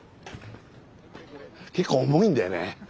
結構重いんだよね。